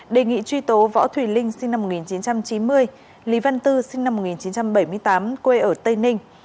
đề nghị truy tố võ thùy linh sinh năm một nghìn chín trăm chín mươi lý văn tư sinh năm một nghìn chín trăm bảy mươi tám quê ở tây ninh